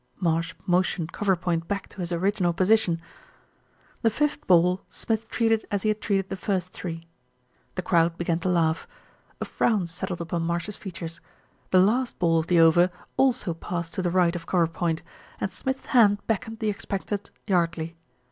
Marsh motioned cover point back to his original position. The fifth ball Smith treated as he had treated the first three. The crowd began to laugh. A frown set SMITH BECOMES A POPULAR HERO 209 tied upon Marsh's features. The last ball of the over also passed to the right of cover point, and Smith's hand beckoned the expectant Yardley.